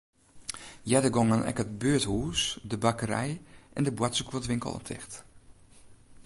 Earder gongen ek it buerthûs, de bakkerij en de boartersguodwinkel al ticht.